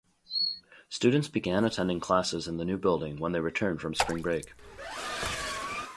Students began attending classes in the new building when they returned from spring break.